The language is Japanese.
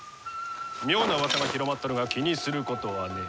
妙なうわさが広まっとるが気にすることはねえ。